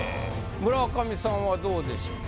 村上さんはどうでしょう？